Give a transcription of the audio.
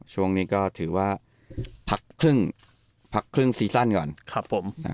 ช่วงนี้ก็ถือว่าพักครึ่งซีซั่นก่อน